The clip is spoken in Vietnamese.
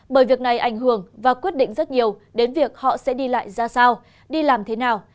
bởi việc này ảnh hưởng và quyết định rất nhiều đến việc họ sẽ đi lại ra sao đi làm thế nào